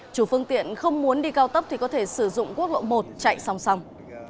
chủ phương tiện không muốn đi cao tốc thì có thể sử dụng quốc lộ một chạy song song